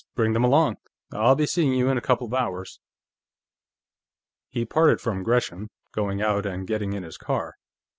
Bring them along; I'll be seeing you in a couple of hours." He parted from Gresham, going out and getting in his car.